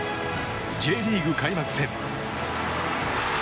Ｊリーグ開幕戦。